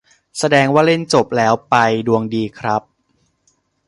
แสดงว่าเล่นจบแล้วไป ดวงดีครับ